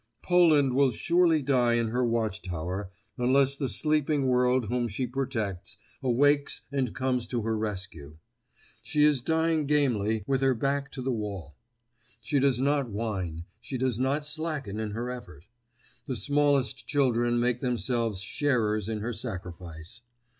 Poland will surely die in her watch tower unless the sleeping world whom she protects, awakes and comes to her rescue. She is dying gamely, with her back to the wall. She does not whine—she does not slacken in her effort. The smallest children make themselves sharers in her sacrifice.